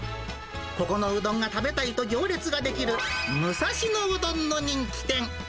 ここのうどんが食べたいと行列が出来る、武蔵野うどんの人気店。